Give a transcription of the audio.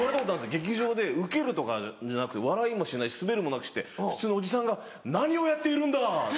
劇場でウケるとかじゃなくて笑いもしないスベるもなくして普通のおじさんが「何をやっているんだ⁉」。